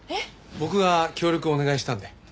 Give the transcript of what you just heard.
僕が協力をお願いしたので。